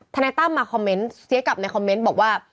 นายตั้มมาคอมเมนต์เสียกลับในคอมเมนต์บอกว่า